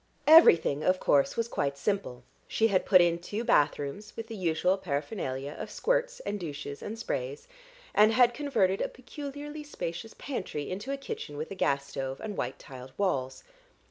Everything, of course, was quite simple; she had put in two bathrooms with the usual paraphernalia of squirts and douches and sprays, and had converted a peculiarly spacious pantry into a kitchen with a gas stove and white tiled walls.